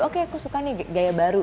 oke aku suka nih gaya baru